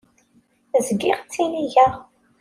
Zgiɣ ttinigeɣ.